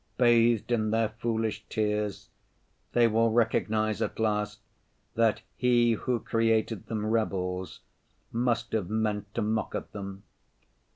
Bathed in their foolish tears, they will recognize at last that He who created them rebels must have meant to mock at them.